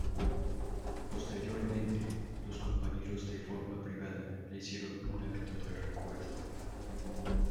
Posteriormente, los compañeros de forma privada le hicieron un acto de recuerdo.